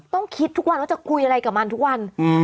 ต้องคิดทุกวันว่าจะคุยอะไรกับมันทุกวัน